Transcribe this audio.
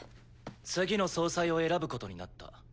次の総裁を選ぶことになった。